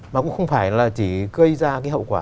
mà cũng không phải là chỉ gây ra cái hậu quả